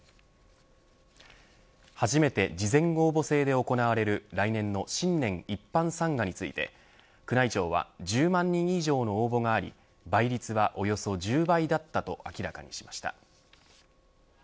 初めて事前応募制で行われる来年の新年一般参賀について宮内庁は１０万人以上の応募があり倍率はおよそ１０倍だったと明らかにしました。